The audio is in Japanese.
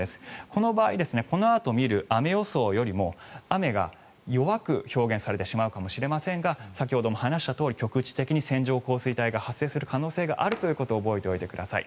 この場合、このあと見る雨予想よりも雨が弱く表現されてしまうかもしれませんが先ほども話したとおり局地的に線状降水帯が発生する恐れがあるということを覚えておいてください。